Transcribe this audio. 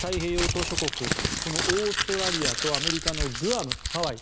島しょ国オーストラリアとアメリカのグアム、ハワイ